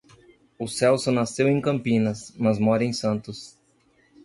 O Celso nasceu em Campinas, mas mora em Santos.